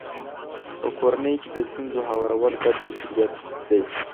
په کورنۍ کې د ستونزو هوارول ګډ مسولیت دی.